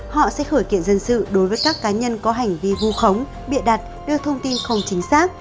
họ sẽ khởi kiện dân sự đối với các cá nhân có hành vi vu khống bịa đặt đưa thông tin không chính xác